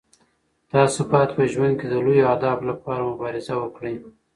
تاسو باید په ژوند کې د لویو اهدافو لپاره مبارزه وکړئ.